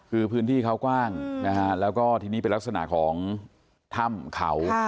คือพื้นที่เขากว้างนะฮะแล้วก็ทีนี้เป็นลักษณะของถ้ำเขา